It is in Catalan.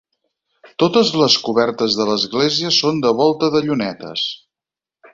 Totes les cobertes de l'església són de volta de llunetes.